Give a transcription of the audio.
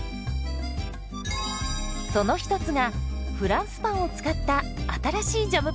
その一つがフランスパンを使った新しいジャムパンです。